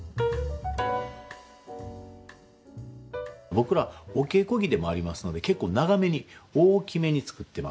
僕らお稽古着でもありますので結構長めに大きめに作ってますね。